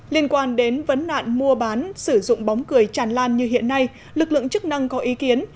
liên quan đến vấn nạn mua bán sử dụng bóng cười tràn lan như hiện nay lực lượng chức năng có ý kiến